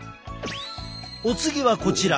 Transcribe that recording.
お次はこちら。